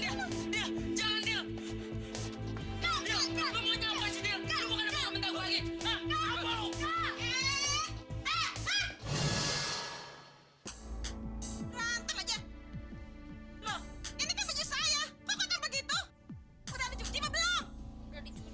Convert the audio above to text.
ya jadi kalian sekarang jadi tukang cuci keliling